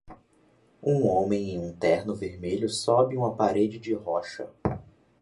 Um homem em um terno vermelho sobe uma parede de rocha